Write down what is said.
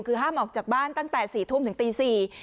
คือห้ามออกจากบ้านตั้งแต่๔ทุ่มถึงตี๔